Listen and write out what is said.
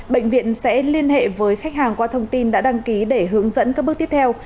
bệnh viện sẽ liên hệ với khách hàng qua thông tin đã đăng ký để hướng dẫn các bước tiếp theo